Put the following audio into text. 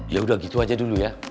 ya udah gitu aja dulu ya